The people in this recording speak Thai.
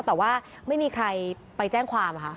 แต่ว่าไม่มีใครไปแจ้งความค่ะ